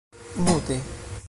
mute